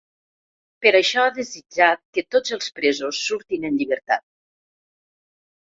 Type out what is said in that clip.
Per això ha desitjat que tots els presos surtin en llibertat.